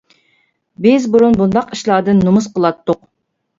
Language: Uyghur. بىز بۇرۇن بۇنداق ئىشلاردىن نومۇس قىلاتتۇق.